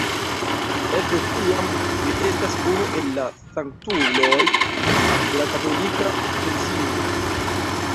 Ekde tiam, li estas unu el la sanktuloj de la katolika eklezio.